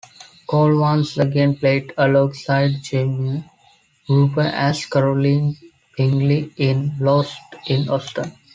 Cole once again played alongside Jemima Rooper as Caroline Bingley in "Lost in Austen".